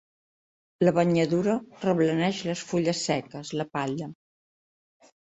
La banyadura reblaneix les fulles seques, la palla.